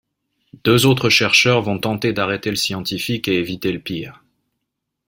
Deux autres chercheurs vont tenter d'arrêter le scientifique et éviter le pire.